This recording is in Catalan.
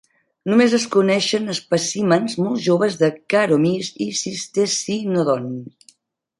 Només es coneixen espècimens molt joves de "Karoomys" i "Cistecynodon".